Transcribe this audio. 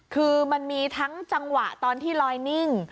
คือมันมีทั้งจังหวะตอนที่ลอยนิ่ง